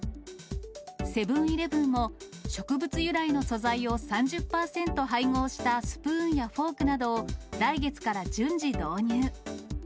セブンーイレブンも、植物由来の素材を３０％配合したスプーンやフォークなどを、来月から順次、導入。